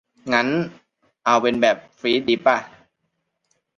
งั้น เอาเป็นแบบฟรีซดีป่ะ